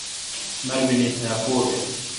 مربینی تھا پو بھ۔